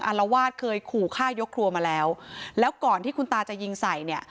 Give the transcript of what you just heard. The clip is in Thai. อารวาสเคยขู่ฆ่ายกครัวมาแล้วแล้วก่อนที่คุณตาจะยิงใส่เนี่ย